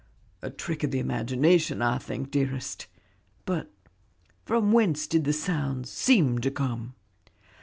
"A trick of the imagination, I think, dearest; but from whence did the sounds seem to come?"